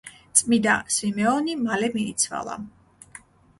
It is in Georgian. წმიდა სვიმეონი მალე მიიცვალა.